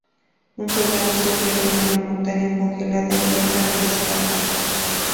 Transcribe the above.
Un soldado se pierde en una montaña congelada e intenta regresar a casa.